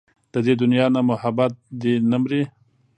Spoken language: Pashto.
د دې دنيا نه محبت دې نه مري